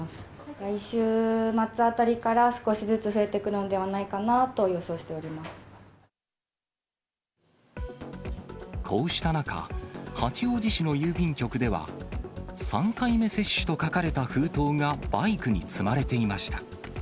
来週末あたりから少しずつ増えてくるのではないかなと予想しておこうした中、八王子市の郵便局では、３回目接種と書かれた封筒がバイクに積まれていました。